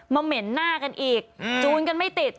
ไม่รู้อะ